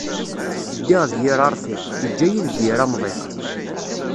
Ddiɣ d yir aṛfiq, iǧǧa-yi deg yir amḍiq.